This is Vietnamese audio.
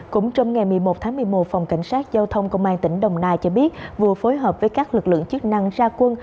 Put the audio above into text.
cũng trong ngày một mươi một tháng một mươi một phòng cảnh sát giao thông công an tỉnh đồng nai cho biết vừa phối hợp với các lực lượng chức năng ra quân